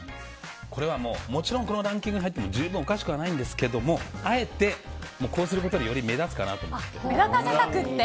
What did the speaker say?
もちろんこのランキングに入っても十分おかしくはないんですけどもあえてこうすることでより目立つかなと思って。